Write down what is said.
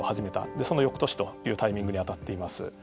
そのよくとしというタイミングに当たっています。